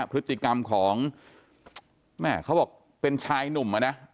พฤติกรรมของแม่เขาบอกเป็นชายหนุ่มอ่ะนะ